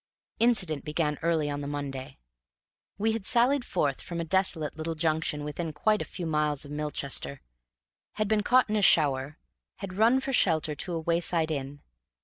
Incident began early on the Monday. We had sallied forth from a desolate little junction within quite a few miles of Milchester, had been caught in a shower, had run for shelter to a wayside inn.